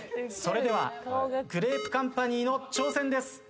それではグレープカンパニーの挑戦です。